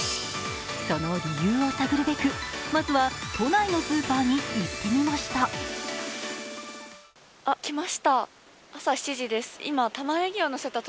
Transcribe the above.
その理由を探るべく、まずは都内のスーパーに行ってみました。